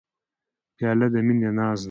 پیاله د مینې ناز ده.